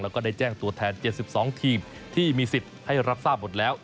แล้วก็ได้แจ้งตัวแทน๗๒ทีมที่มีสิทธิ์ให้รับทราบหมดแล้ว